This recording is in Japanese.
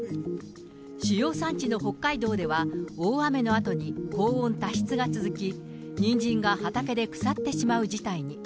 主要産地の北海道では、大雨のあとに高温多湿が続き、ニンジンが畑で腐ってしまう事態に。